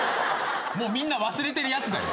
もうみんな忘れてるやつだよ。